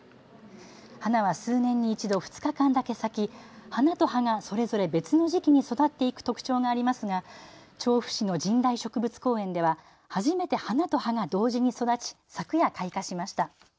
花は数年に１度、２日間だけ咲き、花と葉がそれぞれ別の時期に育っていく特徴がありますが調布市の神代植物公園では初めて花と葉が同時に育ち昨夜、開花しました。